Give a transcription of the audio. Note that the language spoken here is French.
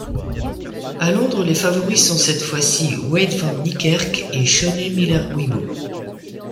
À Londres, les favoris sont cette fois-ci Wayde van Niekerk et Shaunae Miller-Uibo.